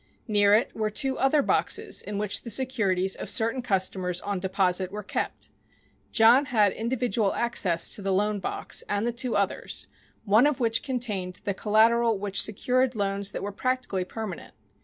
Near it were two other boxes in which the securities of certain customers on deposit were kept. John had individual access to the loan box and the two others one of which contained the collateral which secured loans that were practically permanent.